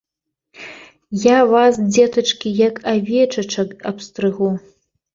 Я вас, дзетачкі, як авечачак абстрыгу.